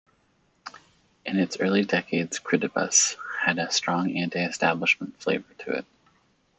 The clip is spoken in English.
In its early decades, "Krittibas" had a strong anti-establishment flavour to it.